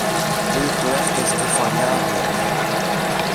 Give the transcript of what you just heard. ή κλέφτες και φονιάδες.